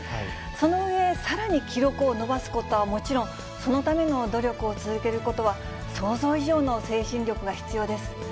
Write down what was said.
その上、さらに記録を伸ばすことはもちろん、そのための努力を続けることは、想像以上の精神力が必要です。